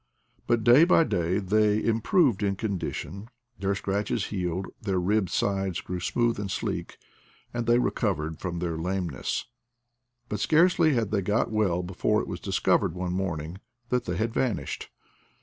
But day by day they improved in condition; their scratches healed, their ribbed sides grew smooth and sleek, and they recovered from their lame ness ; but scarcely had they got well before it was discovered one morning that they had vanished.